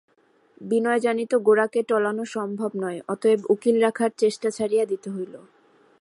বিনয় জানিত গোরাকে টলানো সম্ভব নয়– অতএব উকিল রাখার চেষ্টা ছাড়িয়া দিতে হইল।